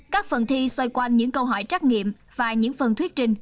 các phần thi xoay quanh những câu hỏi trắc nghiệm và những phần thuyết trình